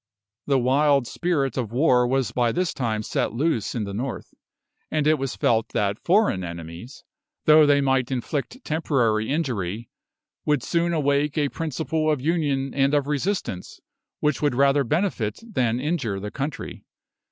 The wild spirit of war was by this time set loose in the North, and it was felt that foreign enemies, though they might inflict temporary injury, would soon awake a principle of union and of resistance which would rather benefit than injure the country.